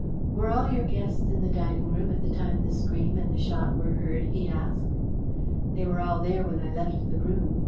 "Were all your guests in the dining room at the time the scream and the shot were heard?" he asked. "They were all there when I left the room.